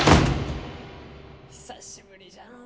久しぶりじゃのう。